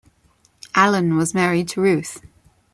Allon was married to Ruth.